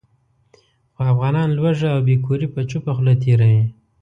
خو افغانان لوږه او بې کوري په چوپه خوله تېروي.